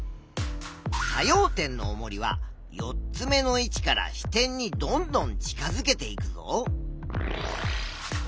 作用点のおもりは４つ目の位置から支点にどんどん近づけていくぞ。